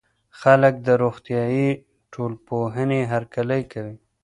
خلګ د روغتيائي ټولنپوهنې هرکلی کوي.